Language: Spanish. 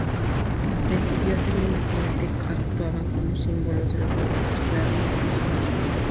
Decidió hacer imágenes que actuaban como símbolos de los momentos clave en la historia.